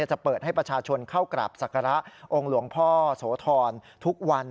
จะเปิดให้ประชาชนเข้ากราบศักระองค์หลวงพ่อโสธรทุกวัน